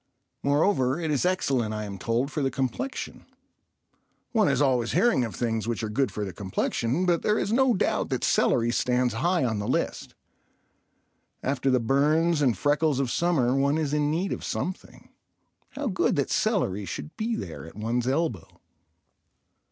Moreover it is excellent, I am told, for the complexion. One is always hearing of things which are good for the complexion, but there is no doubt that celery stands high on the list. After the burns and freckles of summer one is in need of something. How good that celery should be there at one's elbow.